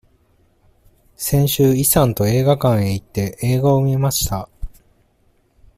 先週、イさんと映画館へ行って、映画を見ました。